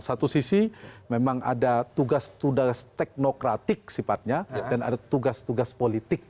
satu sisi memang ada tugas tugas teknokratik sifatnya dan ada tugas tugas politik